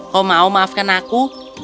kau mau maafkan aku